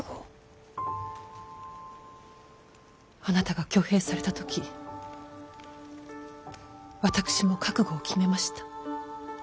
あなたが挙兵された時私も覚悟を決めました。